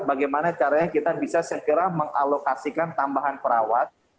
bagaimana caranya kita bisa segera mengalokasikan tambahan perawat